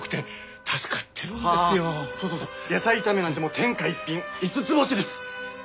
そうそうそう野菜炒めなんてもう天下一品五つ星です！